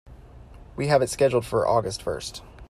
We have it scheduled for August first.